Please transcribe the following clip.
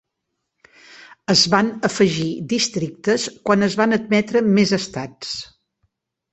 Es van afegir districtes quan es van admetre més estats.